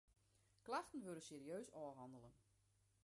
Klachten wurde serieus ôfhannele.